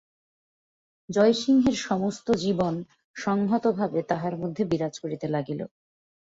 জয়সিংহের সমস্ত জীবন সংহত ভাবে তাঁহার মধ্যে বিরাজ করিতে লাগিল।